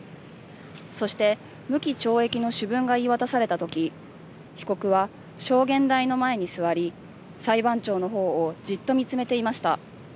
そして無期懲役の主文が言い渡されたとき被告は証言台の前に座り裁判長のほうをじっと見つめていました。